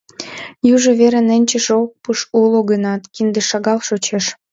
Южо вере ненче шопыш уло гынат, кинде шагал шочеш.